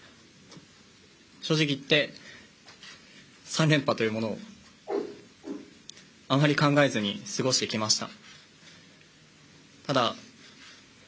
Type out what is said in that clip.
正直言って３連覇というものをあまり考えずに過ごしてきました。